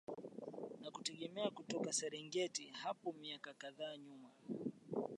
na kujitegemea kutoka Serengeti hapo miaka kadhaa nyuma